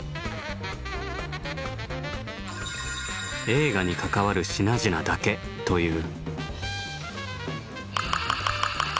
映画に関わる品々だけという。